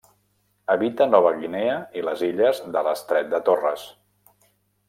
Habita Nova Guinea i les illes de l'estret de Torres.